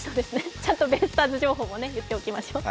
ちゃんとベイスターズ情報も言っておきましょう。